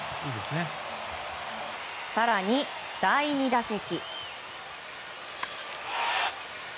更に第２打席。